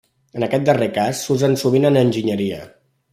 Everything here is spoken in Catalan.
En aquest darrer cas s'usen sovint en enginyeria.